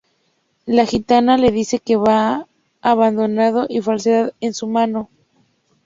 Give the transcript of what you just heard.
La gitana le dice que ve abandono y falsedad en su mano.